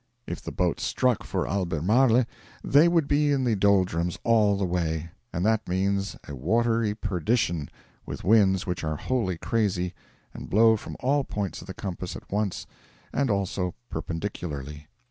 If the boats struck for Albemarle they would be in the doldrums all the way; and that means a watery perdition, with winds which are wholly crazy, and blow from all points of the compass at once and also perpendicularly.